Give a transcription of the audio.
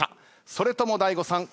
それとも大悟さん